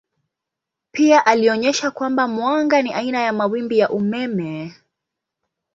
Pia alionyesha kwamba mwanga ni aina ya mawimbi ya umeme.